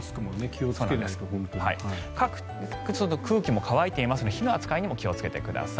空気も乾いていますので火の扱いにも気をつけてください。